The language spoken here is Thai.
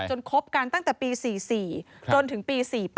คบกันตั้งแต่ปี๔๔จนถึงปี๔๘